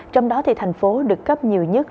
trong đó thì thành phố được cấp nhiều nhất